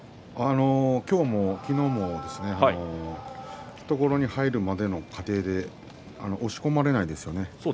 今日も昨日も懐に入るまでの過程で押し込まれないですよね。